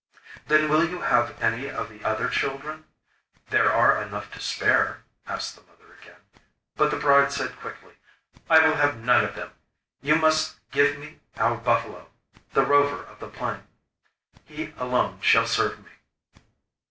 'Then will you have any of the other children? There are enough to spare,' asked the mother again. But the bride said quickly: 'I will have none of them! You must give me our buffalo, the Rover of the Plain; he alone shall serve me.